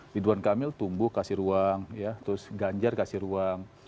ridwan kamil tumbuh kasih ruang ya terus ganjar kasih ruang